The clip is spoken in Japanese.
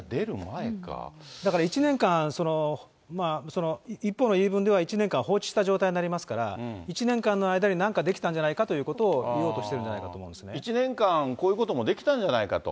だから１年間、一方の言い分では、１年間放置した状態になりますから、１年間の間になんかできたんじゃないかということを言おうとして１年間、こういうこともできたじゃないかと。